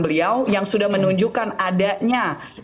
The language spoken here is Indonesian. beliau yang sudah menunjukkan adanya